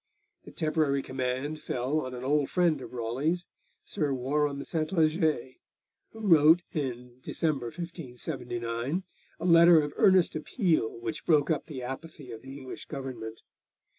The temporary command fell on an old friend of Raleigh's, Sir Warham Sentleger, who wrote in December 1579 a letter of earnest appeal which broke up the apathy of the English Government.